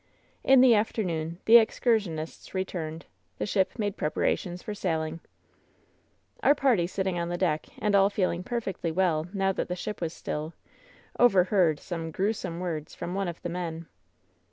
In the afternoon the excursionists returned. The ship made preparations for sailing. Our party sitting on deck, and all feeling perfectly well now that the ship was still, overheard some "grew some" words from one of the men.